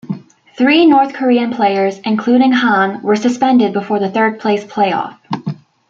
Three North Korean players, including Han, were suspended before the third place play-off.